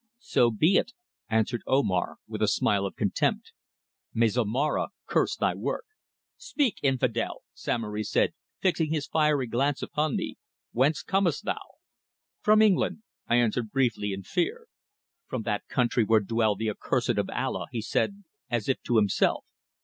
"So be it," answered Omar, with a smile of contempt. "May Zomara curse thy work." "Speak, infidel!" Samory said, fixing his fiery glance upon me. "Whence comest thou?" "From England," I answered briefly, in fear. "From that country where dwell the accursed of Allah," he said, as if to himself.